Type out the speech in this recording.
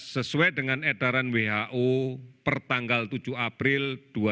sesuai dengan edaran who per tanggal tujuh april dua ribu dua puluh